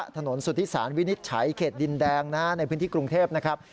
สุธิสารวินิจฉัยเขตดินแดงในพื้นที่กรุงเทพนะครับ